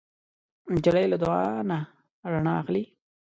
نجلۍ له دعا نه رڼا اخلي.